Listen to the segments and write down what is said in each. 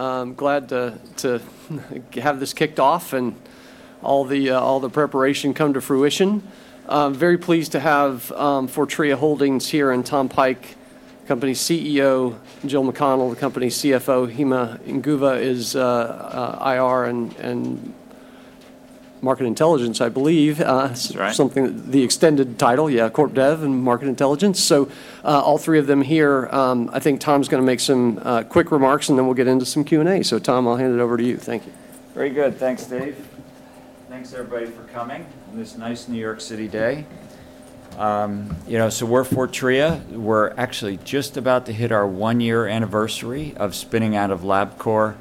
I'm glad to have this kicked off and all the preparation come to fruition. I'm very pleased to have Fortrea Holdings here, and Tom Pike, the company's CEO, Jill McConnell, the company's CFO, Hima Inguva is IR and Market Intelligence, I believe. That's right. The extended title, yeah, Corp Dev and Market Intelligence. So, all three of them here. I think Tom's gonna make some quick remarks, and then we'll get into some Q&A. So Tom, I'll hand it over to you. Thank you. Very good. Thanks, Dave. Thanks, everybody, for coming on this nice New York City day. You know, so we're Fortrea. We're actually just about to hit our one-year anniversary of spinning out of Labcorp.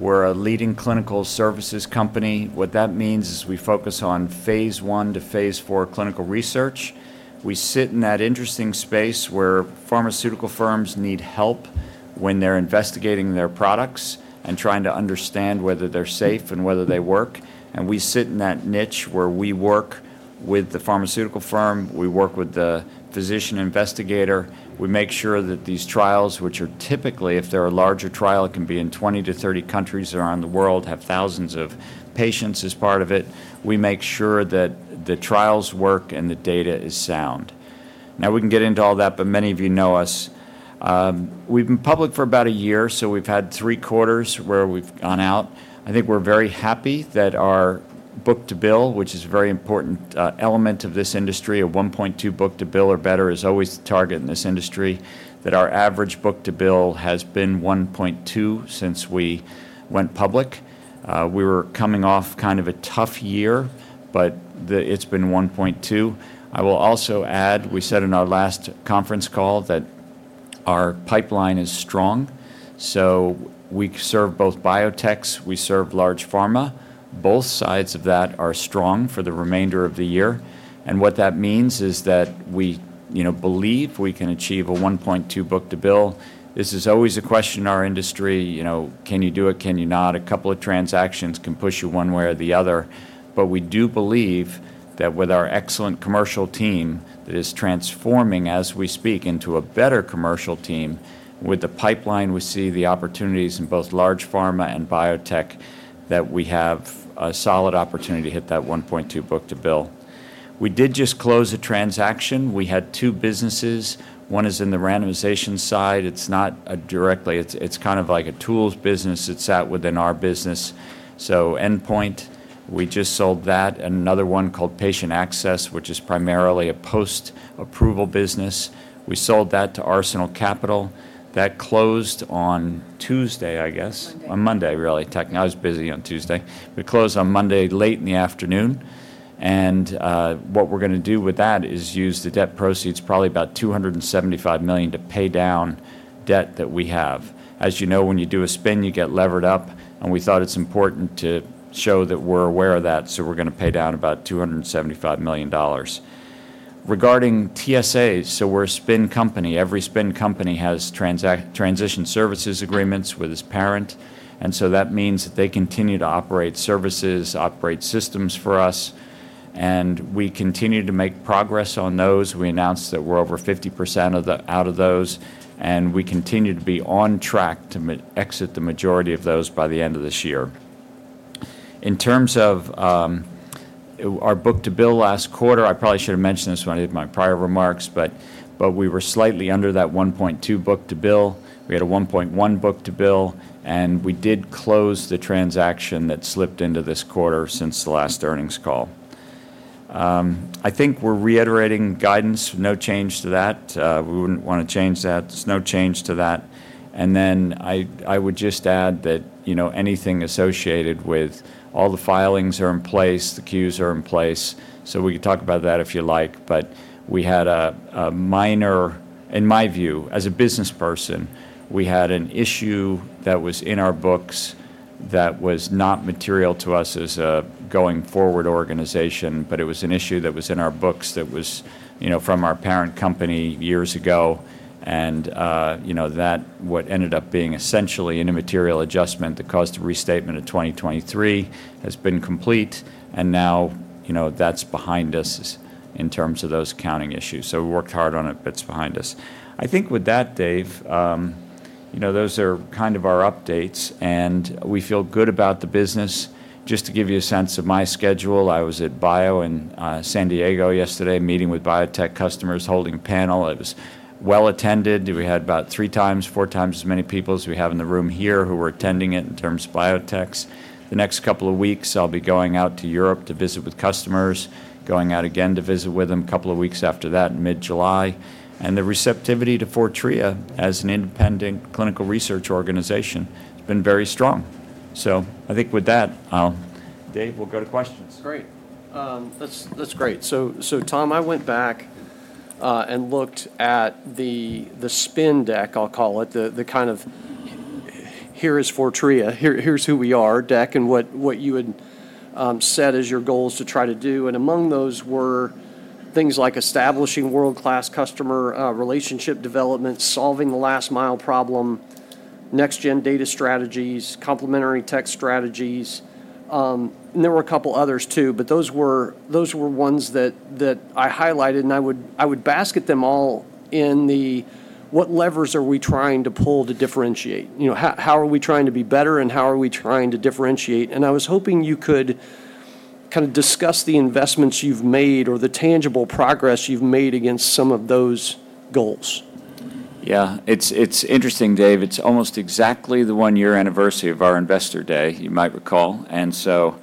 We're a leading clinical services company. What that means is we focus on phase I to phase IV clinical research. We sit in that interesting space where pharmaceutical firms need help when they're investigating their products and trying to understand whether they're safe and whether they work. We sit in that niche where we work with the pharmaceutical firm, we work with the physician investigator, we make sure that these trials, which are typically, if they're a larger trial, it can be in 20-30 countries around the world, have thousands of patients as part of it. We make sure that the trials work and the data is sound. Now, we can get into all that, but many of you know us. We've been public for about a year, so we've had three quarters where we've gone out. I think we're very happy that our book-to-bill, which is a very important element of this industry, a 1.2 book-to-bill or better is always the target in this industry, that our average book-to-bill has been 1.2 since we went public. We were coming off kind of a tough year, but it's been 1.2. I will also add, we said in our last conference call, that our pipeline is strong, so we serve both biotechs, we serve large pharma. Both sides of that are strong for the remainder of the year, and what that means is that we, you know, believe we can achieve a 1.2 book-to-bill. This is always a question in our industry, you know, can you do it? Can you not? A couple of transactions can push you one way or the other. But we do believe that with our excellent commercial team, that is transforming as we speak into a better commercial team, with the pipeline, we see the opportunities in both large pharma and biotech, that we have a solid opportunity to hit that 1.2 book-to-bill. We did just close a transaction. We had two businesses. One is in the randomization side. It's not directly... It's, it's kind of like a tools business. It's out within our business. So Endpoint, we just sold that, and another one called Patient Access, which is primarily a post-approval business. We sold that to Arsenal Capital. That closed on Tuesday, I guess. On Monday, really. I was busy on Tuesday. We closed on Monday, late in the afternoon, and what we're gonna do with that is use the debt proceeds, probably about $275 million, to pay down debt that we have. As you know, when you do a spin, you get levered up, and we thought it's important to show that we're aware of that, so we're gonna pay down about $275 million. Regarding TSAs, so we're a spin company. Every spin company has transition services agreements with its parent, and so that means that they continue to operate services, operate systems for us, and we continue to make progress on those. We announced that we're over 50% out of those, and we continue to be on track to exit the majority of those by the end of this year. In terms of our book-to-bill last quarter, I probably should have mentioned this when I did my prior remarks, but we were slightly under that 1.2 book-to-bill. We had a 1.1 book-to-bill, and we did close the transaction that slipped into this quarter since the last earnings call. I think we're reiterating guidance, no change to that. We wouldn't want to change that. There's no change to that. And then I would just add that, you know, anything associated with all the filings are in place, the Qs are in place, so we can talk about that if you like. But we had a minor... In my view, as a business person, we had an issue that was in our books that was not material to us as a going-forward organization, but it was an issue that was in our books that was, you know, from our parent company years ago. And, you know, that what ended up being essentially an immaterial adjustment that caused a restatement of 2023 has been complete, and now, you know, that's behind us in terms of those accounting issues. So we worked hard on it, but it's behind us. I think with that, Dave, you know, those are kind of our updates, and we feel good about the business. Just to give you a sense of my schedule, I was at BIO in San Diego yesterday, meeting with biotech customers, holding a panel. It was well attended. We had about three times, four times as many people as we have in the room here, who were attending it in terms of biotechs. The next couple of weeks, I'll be going out to Europe to visit with customers, going out again to visit with them a couple of weeks after that, in mid-July. And the receptivity to Fortrea as an independent clinical research organization has been very strong. So I think with that, Dave, we'll go to questions. Great. That's great. So Tom, I went back and looked at the spin deck, I'll call it, the kind of, "Here is Fortrea, here, here's who we are" deck, and what you had set as your goals to try to do, and among those were things like establishing world-class customer relationship development, solving the last-mile problem, next-gen data strategies, complementary tech strategies, and there were a couple others too. But those were ones that I highlighted, and I would basket them all in the: what levers are we trying to pull to differentiate? You know, how are we trying to be better, and how are we trying to differentiate? And I was hoping you could kind of discuss the investments you've made or the tangible progress you've made against some of those goals. Yeah, it's, it's interesting, Dave. It's almost exactly the one-year anniversary of our Investor Day, you might recall, and so,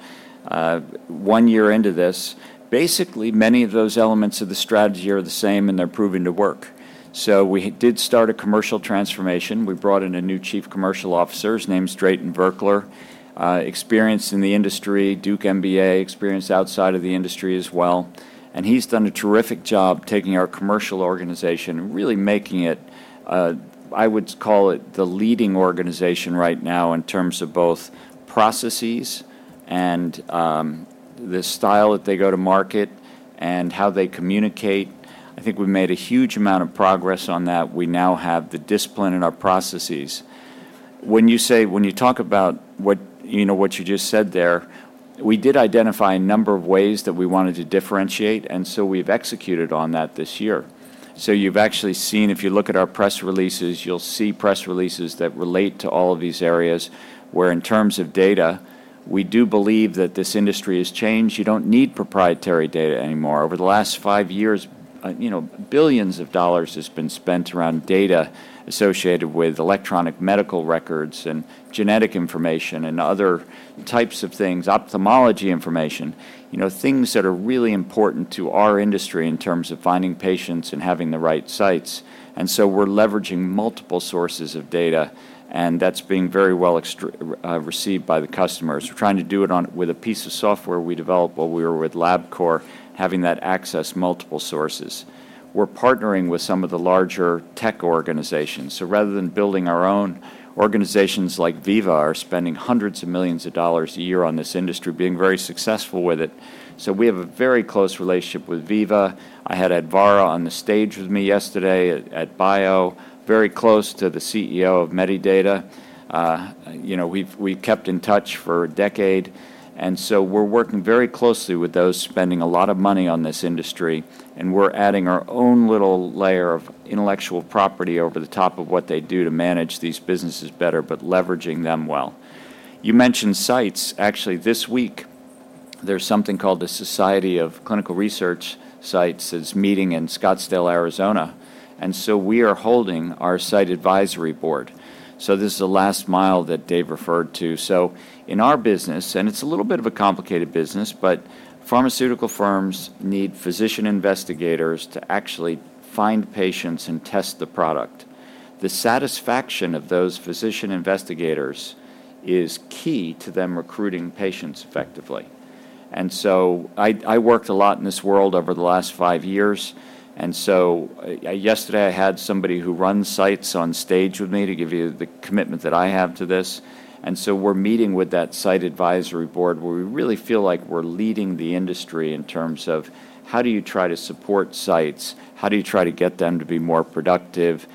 one year into this, basically, many of those elements of the strategy are the same, and they're proving to work. So we did start a commercial transformation. We brought in a new Chief Commercial Officer. His name's Drayton Virkler. Experienced in the industry, Duke MBA, experienced outside of the industry as well, and he's done a terrific job taking our commercial organization and really making it, I would call it the leading organization right now in terms of both processes and the style that they go to market and how they communicate. I think we've made a huge amount of progress on that. We now have the discipline in our processes. When you talk about what, you know, what you just said there, we did identify a number of ways that we wanted to differentiate, and so we've executed on that this year. So you've actually seen, if you look at our press releases, you'll see press releases that relate to all of these areas, where, in terms of data, we do believe that this industry has changed. You don't need proprietary data anymore. Over the last five years, you know, billions of dollars has been spent around data associated with electronic medical records and genetic information and other types of things, ophthalmology information, you know, things that are really important to our industry in terms of finding patients and having the right sites. And so we're leveraging multiple sources of data, and that's being very well-received by the customers. We're trying to do it on with a piece of software we developed while we were with Labcorp, having that access multiple sources. We're partnering with some of the larger tech organizations, so rather than building our own, organizations like Veeva are spending hundreds of millions a year on this industry, being very successful with it. So we have a very close relationship with Veeva. I had Advarra on the stage with me yesterday at BIO, very close to the CEO of Medidata. You know, we've kept in touch for a decade, and so we're working very closely with those spending a lot of money on this industry, and we're adding our own little layer of intellectual property over the top of what they do to manage these businesses better but leveraging them well. You mentioned sites. Actually, this week, there's something called the Society of Clinical Research Sites that's meeting in Scottsdale, Arizona, and so we are holding our site advisory board. So this is the last mile that Dave referred to. So in our business, and it's a little bit of a complicated business, but pharmaceutical firms need physician investigators to actually find patients and test the product. The satisfaction of those physician investigators is key to them recruiting patients effectively. And so I worked a lot in this world over the last five years, and so yesterday I had somebody who runs sites on stage with me to give you the commitment that I have to this. And so we're meeting with that site advisory board, where we really feel like we're leading the industry in terms of: How do you try to support sites? How do you try to get them to be more productive?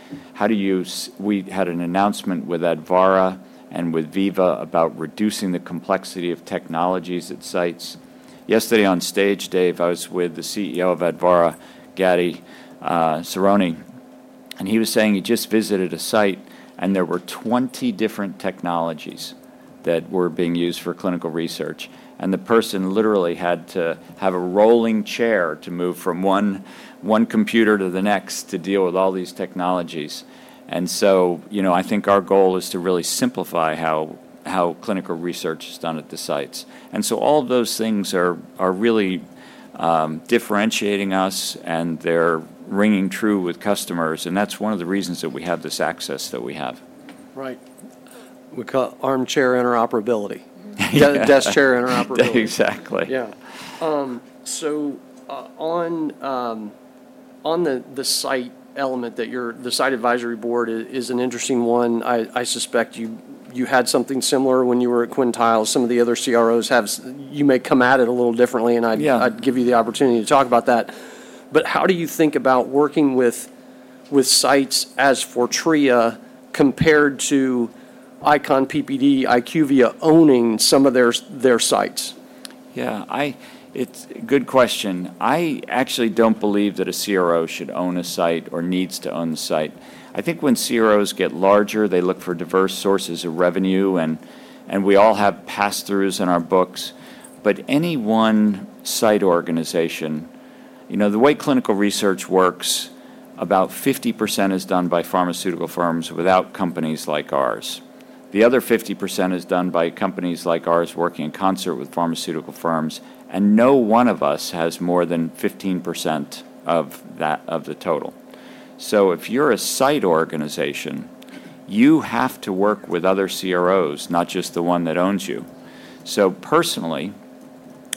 We had an announcement with Advarra and with Veeva about reducing the complexity of technologies at sites. Yesterday on stage, Dave, I was with the CEO of Advarra, Gadi Saarony, and he was saying he just visited a site, and there were 20 different technologies that were being used for clinical research, and the person literally had to have a rolling chair to move from one computer to the next to deal with all these technologies. And so, you know, I think our goal is to really simplify how clinical research is done at the sites. And so all of those things are really differentiating us, and they're ringing true with customers, and that's one of the reasons that we have this access that we have. Right. We call armchair interoperability. Yeah. Desk chair interoperability. Exactly. Yeah. So, on the site element that you're—the site advisory board is an interesting one. I suspect you had something similar when you were at Quintiles. Some of the other CROs have—You may come at it a little differently, and I'd— Yeah... I'd give you the opportunity to talk about that. But how do you think about working with sites as Fortrea compared to ICON, PPD, IQVIA owning some of their sites? Yeah, I... It's a good question. I actually don't believe that a CRO should own a site or needs to own the site. I think when CROs get larger, they look for diverse sources of revenue, and, and we all have pass-throughs in our books. But any one site organization. You know, the way clinical research works, about 50% is done by pharmaceutical firms without companies like ours. The other 50% is done by companies like ours working in concert with pharmaceutical firms, and no one of us has more than 15% of that, of the total. So if you're a site organization, you have to work with other CROs, not just the one that owns you. So personally,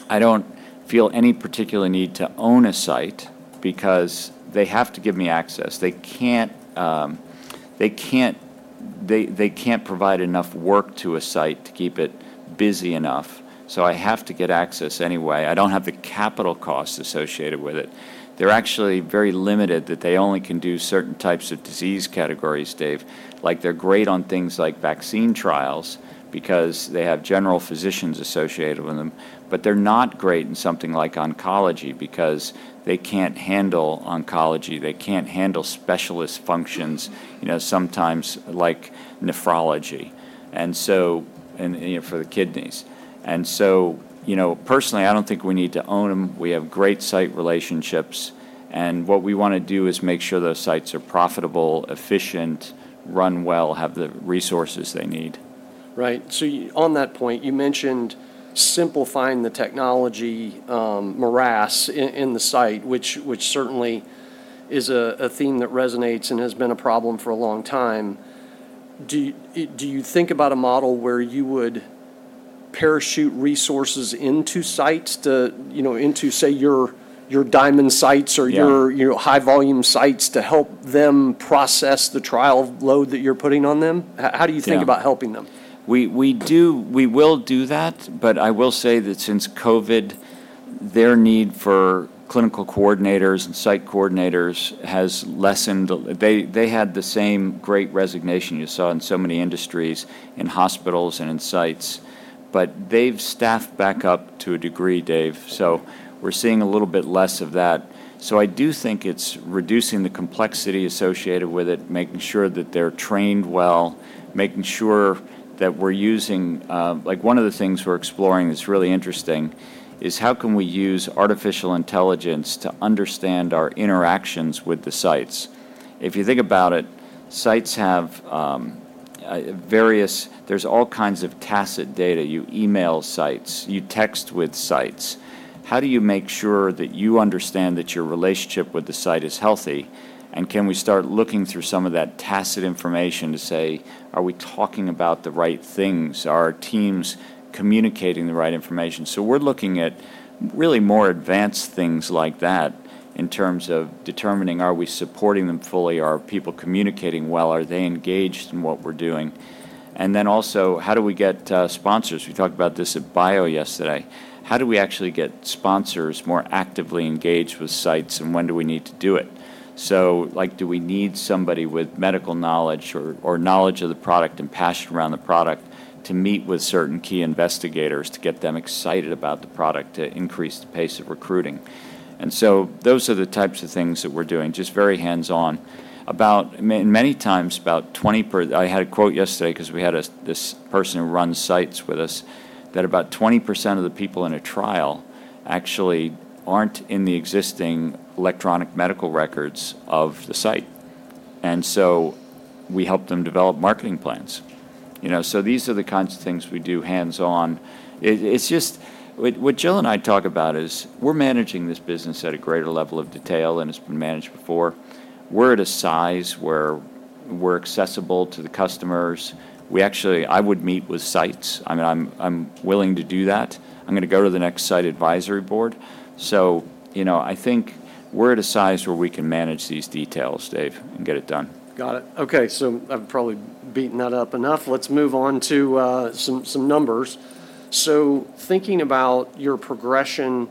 I don't feel any particular need to own a site because they have to give me access. They can't provide enough work to a site to keep it busy enough, so I have to get access anyway. I don't have the capital costs associated with it. They're actually very limited that they only can do certain types of disease categories, Dave. Like, they're great on things like vaccine trials because they have general physicians associated with them, but they're not great in something like oncology because they can't handle oncology. They can't handle specialist functions, you know, sometimes like nephrology, and so, you know, for the kidneys. And so, you know, personally, I don't think we need to own them. We have great site relationships, and what we wanna do is make sure those sites are profitable, efficient, run well, have the resources they need.... Right. So on that point, you mentioned simplifying the technology morass in the site, which certainly is a theme that resonates and has been a problem for a long time. Do you think about a model where you would parachute resources into sites to, you know, into, say, your diamond sites- Yeah or your, you know, high-volume sites to help them process the trial load that you're putting on them? How do you think- Yeah about helping them? We do. We will do that, but I will say that since COVID, their need for clinical coordinators and site coordinators has lessened. They had the same great resignation you saw in so many industries, in hospitals, and in sites. But they've staffed back up to a degree, Dave, so we're seeing a little bit less of that. So I do think it's reducing the complexity associated with it, making sure that they're trained well, making sure that we're using. Like, one of the things we're exploring that's really interesting is. How can we use artificial intelligence to understand our interactions with the sites? If you think about it, sites have. There's all kinds of tacit data. You email sites. You text with sites. How do you make sure that you understand that your relationship with the site is healthy, and can we start looking through some of that tacit information to say, "Are we talking about the right things? Are our teams communicating the right information?" So we're looking at really more advanced things like that in terms of determining: Are we supporting them fully? Are people communicating well? Are they engaged in what we're doing? And then also, how do we get sponsors? We talked about this at BIO yesterday. How do we actually get sponsors more actively engaged with sites, and when do we need to do it? So, like, do we need somebody with medical knowledge or, or knowledge of the product and passion around the product to meet with certain key investigators to get them excited about the product to increase the pace of recruiting? And so those are the types of things that we're doing, just very hands-on. About many times, about 20%. I had a quote yesterday, 'cause we had this person who runs sites with us, that about 20% of the people in a trial actually aren't in the existing electronic medical records of the site. And so we helped them develop marketing plans. You know, so these are the kinds of things we do hands-on. It's just what Jill and I talk about is, we're managing this business at a greater level of detail than it's been managed before. We're at a size where we're accessible to the customers. We actually I would meet with sites. I mean, I'm willing to do that. I'm gonna go to the next site advisory board. You know, I think we're at a size where we can manage these details, Dave, and get it done. Got it. Okay, so I've probably beaten that up enough. Let's move on to some numbers. So thinking about your progression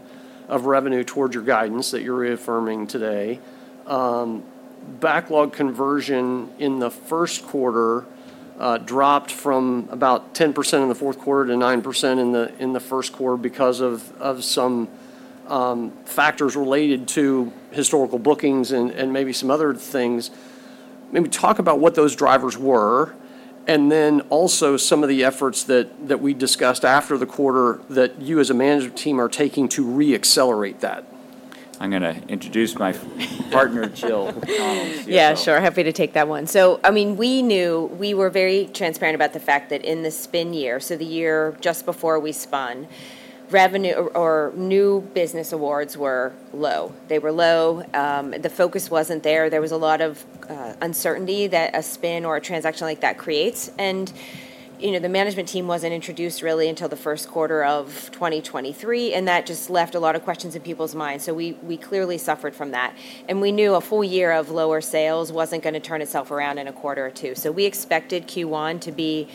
of revenue towards your guidance that you're reaffirming today, backlog conversion in the first quarter dropped from about 10% in the fourth quarter to 9% in the first quarter because of some factors related to historical bookings and maybe some other things. Maybe talk about what those drivers were and then also some of the efforts that we discussed after the quarter that you as a management team are taking to re-accelerate that. I'm gonna introduce my partner, Jill McConnell. Yeah, sure. Happy to take that one. So, I mean, we knew... We were very transparent about the fact that in the spin year, so the year just before we spun, revenue or new business awards were low. They were low. The focus wasn't there. There was a lot of uncertainty that a spin or a transaction like that creates, and, you know, the management team wasn't introduced really until the first quarter of 2023, and that just left a lot of questions in people's minds. So we clearly suffered from that, and we knew a full year of lower sales wasn't gonna turn itself around in a quarter or two. So we expected Q1 to be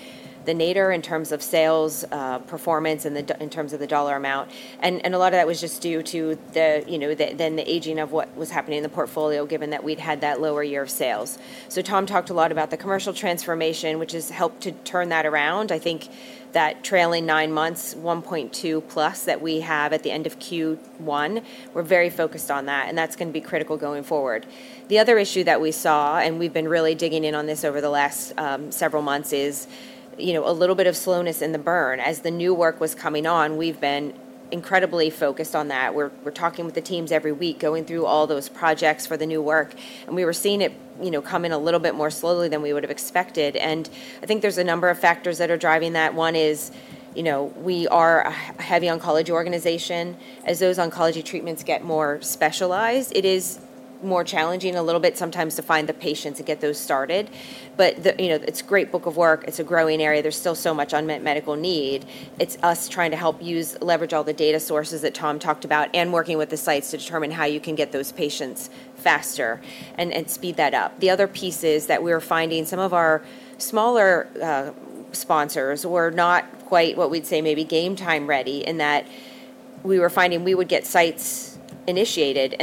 the nadir in terms of sales performance in terms of the dollar amount, and a lot of that was just due to you know, the aging of what was happening in the portfolio, given that we'd had that lower year of sales. So Tom talked a lot about the commercial transformation, which has helped to turn that around. I think that trailing nine months, 1.2+ that we have at the end of Q1, we're very focused on that, and that's gonna be critical going forward. The other issue that we saw, and we've been really digging in on this over the last several months, is, you know, a little bit of slowness in the burn. As the new work was coming on, we've been incredibly focused on that. We're talking with the teams every week, going through all those projects for the new work, and we were seeing it, you know, come in a little bit more slowly than we would have expected. And I think there's a number of factors that are driving that. One is, you know, we are a heavy oncology organization. As those oncology treatments get more specialized, it is more challenging a little bit sometimes to find the patients and get those started. But the, you know, it's a great book of work. It's a growing area. There's still so much unmet medical need. It's us trying to help leverage all the data sources that Tom talked about and working with the sites to determine how you can get those patients faster and speed that up. The other piece is that we're finding some of our smaller sponsors were not quite what we'd say maybe game-time ready, in that we were finding we would get sites initiated, and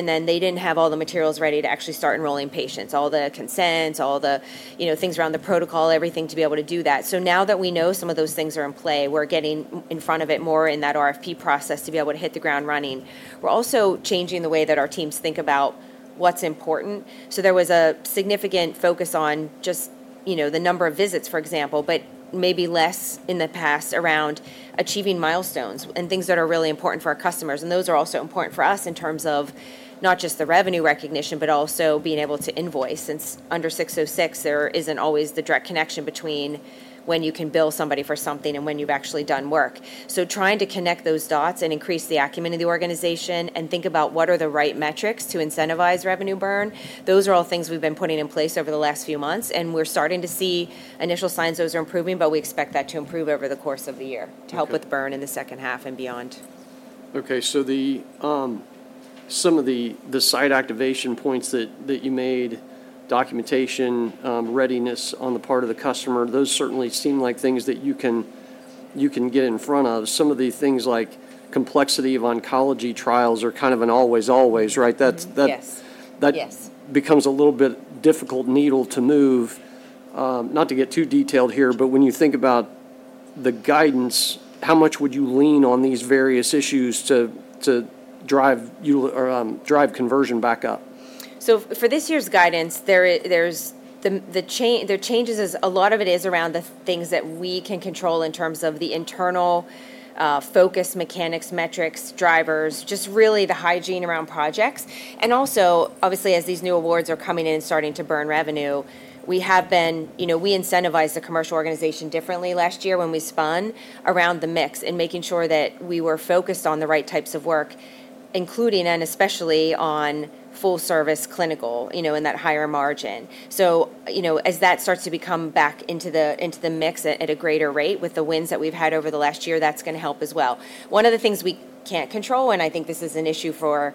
then they didn't have all the materials ready to actually start enrolling patients, all the consents, all the, you know, things around the protocol, everything to be able to do that. So now that we know some of those things are in play, we're getting in front of it more in that RFP process to be able to hit the ground running. We're also changing the way that our teams think about what's important. So there was a significant focus on just, you know, the number of visits, for example, but maybe less in the past around achieving milestones and things that are really important for our customers, and those are also important for us in terms of not just the revenue recognition, but also being able to invoice. Since under 606, there isn't always the direct connection between when you can bill somebody for something and when you've actually done work. So trying to connect those dots and increase the acumen of the organization and think about what are the right metrics to incentivize revenue burn, those are all things we've been putting in place over the last few months, and we're starting to see initial signs those are improving, but we expect that to improve over the course of the year to help with burn in the second half and beyond. Okay, so some of the site activation points that you made, documentation readiness on the part of the customer, those certainly seem like things that you can get in front of. Some of the things like complexity of oncology trials are kind of an always, right? Mm-hmm. Yes. That's, that- Yes... that becomes a little bit difficult needle to move. Not to get too detailed here, but when you think about the guidance, how much would you lean on these various issues to, to drive you or, drive conversion back up? So for this year's guidance, there's the changes. A lot of it is around the things that we can control in terms of the internal focus, mechanics, metrics, drivers, just really the hygiene around projects. And also, obviously, as these new awards are coming in and starting to burn revenue, we have been—you know, we incentivized the commercial organization differently last year when we spun around the mix and making sure that we were focused on the right types of work, including and especially on full-service clinical, you know, in that higher margin. So, you know, as that starts to become back into the mix at a greater rate with the wins that we've had over the last year, that's gonna help as well. One of the things we can't control, and I think this is an issue for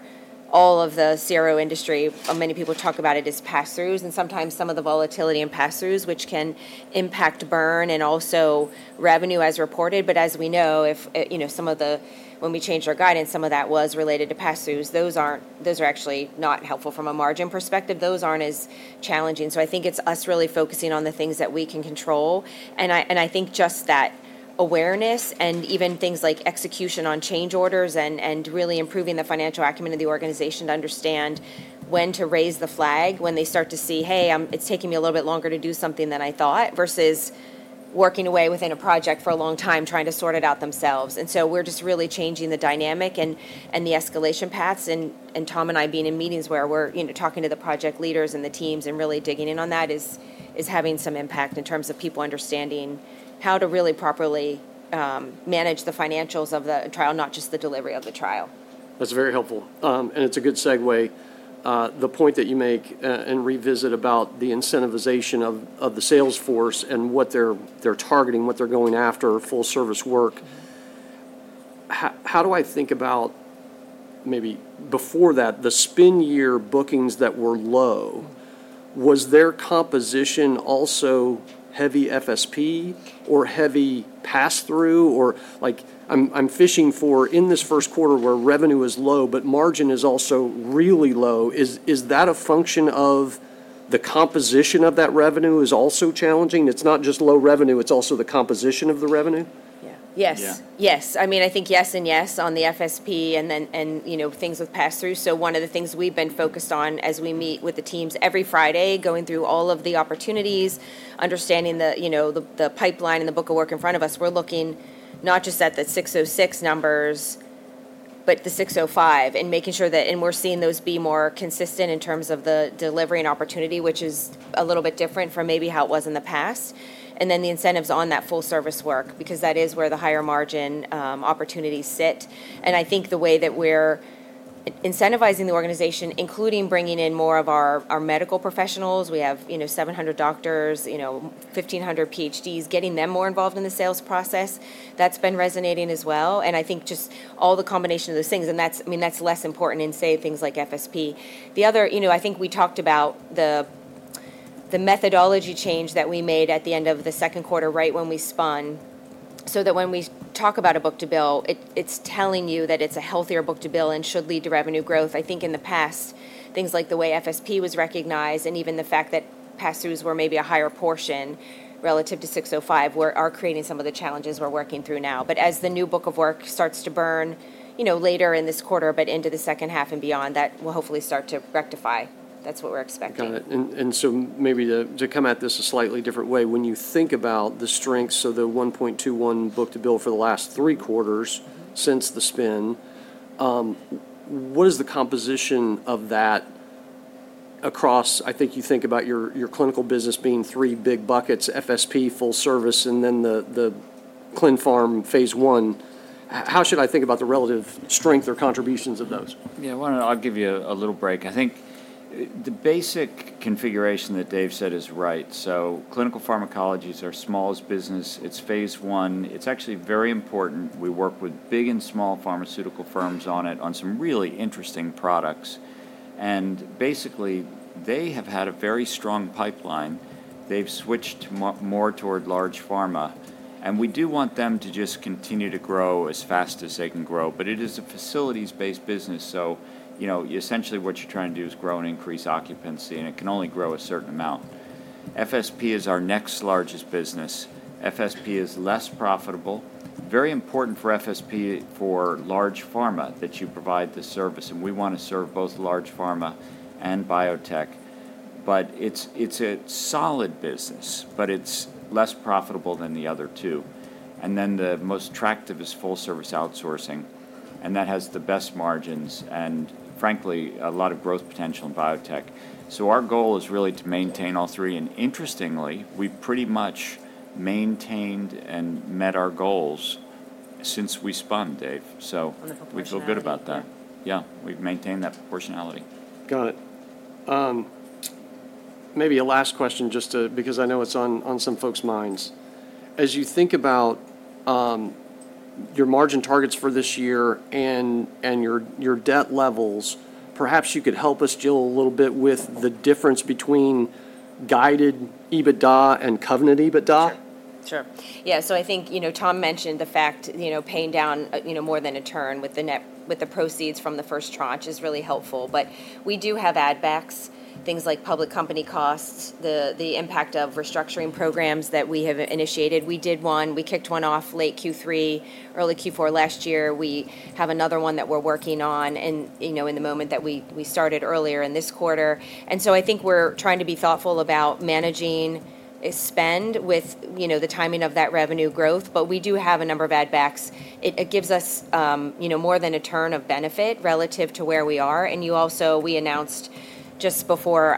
all of the CRO industry, many people talk about it, is pass-throughs, and sometimes some of the volatility in pass-throughs, which can impact burn and also revenue as reported. But as we know, if you know, some of the, when we changed our guidance, some of that was related to pass-throughs. Those aren't. Those are actually not helpful from a margin perspective. Those aren't as challenging. So I think it's us really focusing on the things that we can control, and I, and I think just that awareness and even things like execution on change orders and, and really improving the financial acumen of the organization to understand when to raise the flag, when they start to see, "Hey, it's taking me a little bit longer to do something than I thought," versus working away within a project for a long time, trying to sort it out themselves. And so we're just really changing the dynamic and the escalation paths. And Tom and I being in meetings where we're, you know, talking to the project leaders and the teams and really digging in on that is having some impact in terms of people understanding how to really properly manage the financials of the trial, not just the delivery of the trial. That's very helpful. And it's a good segue, the point that you make, and revisit about the incentivization of, of the sales force and what they're, they're targeting, what they're going after, full service work. How do I think about maybe before that, the spin year bookings that were low? Was their composition also heavy FSP or heavy pass-through, or like—I'm fishing for in this first quarter where revenue is low but margin is also really low, is that a function of the composition of that revenue is also challenging? It's not just low revenue, it's also the composition of the revenue? Yeah. Yes. Yeah. Yes. I mean, I think yes and yes on the FSP, and then, and, you know, things with pass-through. So one of the things we've been focused on as we meet with the teams every Friday, going through all of the opportunities, understanding the, you know, the, the pipeline and the book of work in front of us, we're looking not just at the 606 numbers, but the 605, and making sure that... And we're seeing those be more consistent in terms of the delivery and opportunity, which is a little bit different from maybe how it was in the past. And then the incentives on that full service work, because that is where the higher margin opportunities sit. And I think the way that we're incentivizing the organization, including bringing in more of our medical professionals, we have, you know, 700 doctors, you know, 1,500 PhDs, getting them more involved in the sales process, that's been resonating as well. And I think just all the combination of those things, and that's, I mean, that's less important in, say, things like FSP. The other, you know, I think we talked about the methodology change that we made at the end of the second quarter, right when we spun, so that when we talk about a book-to-bill, it's telling you that it's a healthier book-to-bill and should lead to revenue growth. I think in the past, things like the way FSP was recognized and even the fact that pass-throughs were maybe a higher portion relative to 605, are creating some of the challenges we're working through now. But as the new book of work starts to burn, you know, later in this quarter, but into the second half and beyond, that will hopefully start to rectify. That's what we're expecting. Got it. And so maybe to come at this a slightly different way, when you think about the strengths of the 1.21 book-to-bill for the last three quarters since the spin, what is the composition of that across—I think you think about your clinical business being three big buckets: FSP, full service, and then the clin pharm phase I. How should I think about the relative strength or contributions of those? Yeah, why don't I give you a little break. I think the basic configuration that Dave said is right. So clinical pharmacology is our smallest business. It's phase I. It's actually very important. We work with big and small pharmaceutical firms on it, on some really interesting products. And basically, they have had a very strong pipeline. They've switched more toward large pharma, and we do want them to just continue to grow as fast as they can grow. But it is a facilities-based business, so, you know, essentially what you're trying to do is grow and increase occupancy, and it can only grow a certain amount. FSP is our next largest business. FSP is less profitable. Very important for FSP, for large pharma, that you provide this service, and we want to serve both large pharma and biotech, but it's a solid business, but it's less profitable than the other two. And then the most attractive is full service outsourcing, and that has the best margins and frankly, a lot of growth potential in biotech. So our goal is really to maintain all three, and interestingly, we've pretty much maintained and met our goals since we spun, Dave. So- On the proportionality.... we feel good about that. Yeah, we've maintained that proportionality. Got it. Maybe a last question, just to, because I know it's on some folks' minds: As you think about your margin targets for this year and your debt levels, perhaps you could help us, Jill, a little bit with the difference between guided EBITDA and covenant EBITDA. Sure. Sure. Yeah, so I think, you know, Tom mentioned the fact, you know, paying down more than a turn with the net proceeds from the first tranche is really helpful. But we do have add backs, things like public company costs, the impact of restructuring programs that we have initiated. We did one. We kicked one off late Q3, early Q4 last year. We have another one that we're working on, and, you know, at the moment that we started earlier in this quarter. And so I think we're trying to be thoughtful about managing a spend with, you know, the timing of that revenue growth, but we do have a number of add backs. It gives us, you know, more than a turn of benefit relative to where we are. We announced just before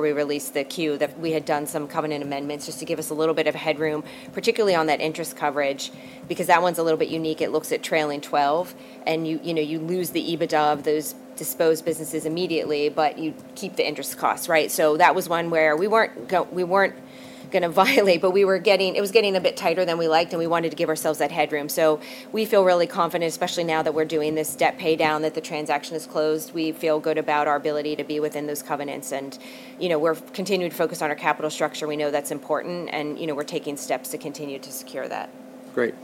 we released the queue, that we had done some covenant amendments, just to give us a little bit of headroom, particularly on that interest coverage, because that one's a little bit unique. It looks at trailing 12, and you know, you lose the EBITDA of those disposed businesses immediately, but you keep the interest costs, right? So that was one where we weren't gonna violate, but we were getting, it was getting a bit tighter than we liked, and we wanted to give ourselves that headroom. So we feel really confident, especially now that we're doing this debt paydown, that the transaction is closed. We feel good about our ability to be within those covenants, and, you know, we're continuing to focus on our capital structure. We know that's important, and, you know, we're taking steps to continue to secure that. Great.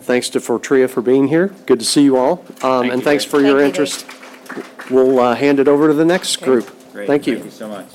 Thanks to Fortrea for being here. Good to see you all. Thank you Dave. Thanks for your interest. Thank you Dave. We'll hand it over to the next group. Great. Thank you. Thank you so much.